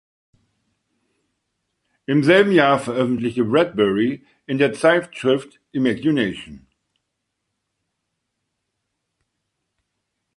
Im selben Jahr veröffentlichte Bradbury in der Zeitschrift "Imagination!